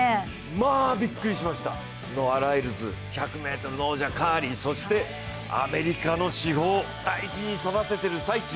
まあびっくりしました、ノア・ライルズ、１００ｍの王者カーリーそしてアメリカの至宝大事に育てている最中